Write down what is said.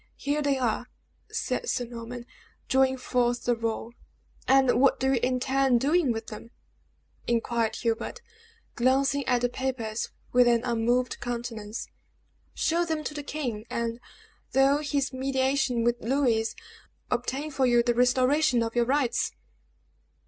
Here they are," said Sir Norman, drawing forth the roll. "And what do you intend doing with them?" inquired Hubert, glancing at the papers with an unmoved countenance. "Show them to the king, and, though his mediation with Louis, obtain for you the restoration of your rights."